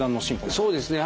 そうですね。